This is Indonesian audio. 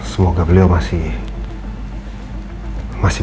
semoga dia masih